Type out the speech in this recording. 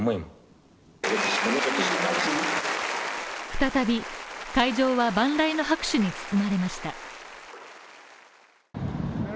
再び、会場は万雷の拍手に包まれました。